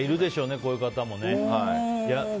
こういう方も。